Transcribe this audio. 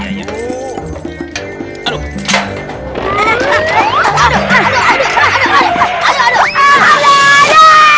aduh aduh aduh aduh